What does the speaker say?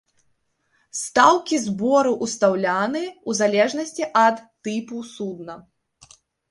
Стаўкі збору ўсталяваны ў залежнасці ад тыпу судна.